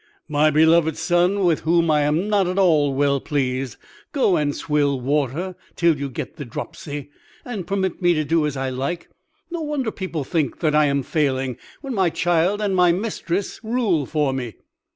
"My beloved Son, with whom I am not at all well pleased, go and swill water till you get the dropsy, and permit me to do as I like. No wonder people think that I am failing when my child and my mistress rule for me!"